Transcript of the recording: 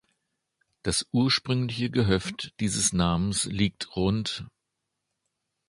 Das ursprüngliche Gehöft dieses Namens liegt rd.